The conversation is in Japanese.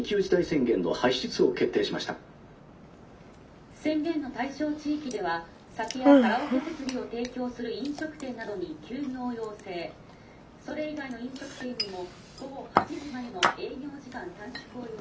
「宣言の対象地域では酒やカラオケ設備を提供する飲食店などに休業を要請それ以外の飲食店にも午後８時までの営業時間短縮を要請」。